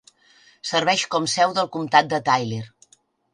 Serveix com seu del comptat de Tyler.